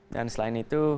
dan selain itu